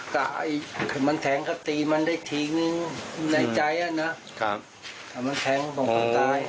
ถ้ามันแทงก็ตีมันได้ทิ้งในใจนะถ้ามันแทงผมก็ตาย